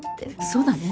そうだね。